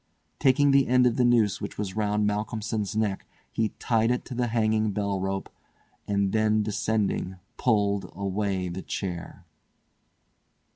Taking the end of the noose which was round Malcolmson's neck he tied it to the hanging bell rope, and then descending pulled away the chair.